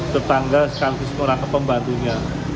tetangga sekaligus orang pembantunya